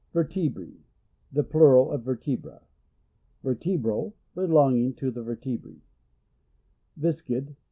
Vertebrae. — The plural of vertebra. Vertebral. — Belonging to the ver tebrte. Viscid.